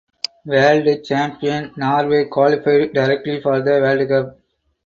World Champion Norway qualified directly for the World Cup.